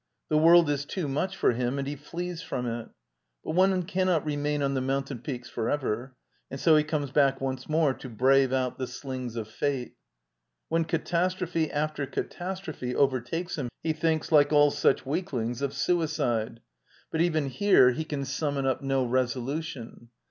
The world is too much foFHim sm^ he flees from it . But one cannot feriiairi oh the moun tain peaks forever, and so he comes back once more to brave out the slings of fate. When catastrophe after catastrophe overtakes him he thinks, like all such weaklings, of suicide, but even here he can sum xvi d by Google ^ INTRODUCTION mon up no resolution.